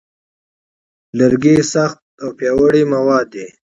لرګی سخت او پیاوړی مواد دی.